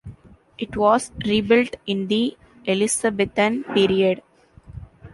It was rebuilt in the Elizabethan period.